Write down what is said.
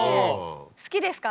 好きですか？